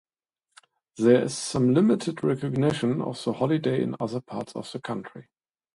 There is some limited recognition of the holiday in other parts of the country.